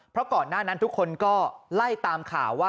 เพราะก่อนหน้านั้นทุกคนก็ไล่ตามข่าวว่า